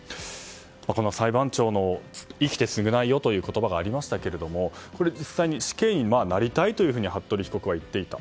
裁判長の生きて償いをという言葉がありましたがこれは実際に死刑になりたいというふうに服部被告は言っていた。